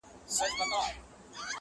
نن دي سترګو کي تصویر را سره خاندي,